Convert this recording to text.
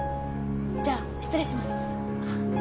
じゃ失礼します。